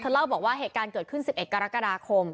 เล่าบอกว่าเหตุการณ์เกิดขึ้น๑๑กรกฎาคม